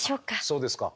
そうですか。